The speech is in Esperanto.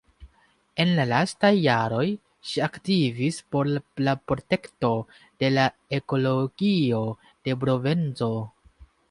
En la lastaj jaroj, ŝi aktivis por la protekto de la ekologio de Provenco.